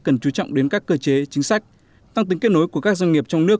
cần chú trọng đến các cơ chế chính sách tăng tính kết nối của các doanh nghiệp trong nước